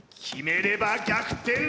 決めれば逆転